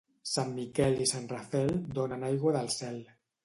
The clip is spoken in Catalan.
Sant Miquel i Sant Rafel donen aigua del cel.